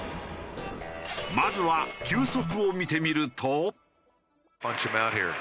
まずは球速を見てみると。